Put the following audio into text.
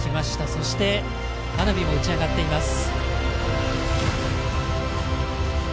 そして花火も打ち上がっています。